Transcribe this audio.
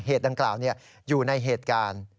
เหตุดังกล่าวนี้อยู่ในเหตุการณ์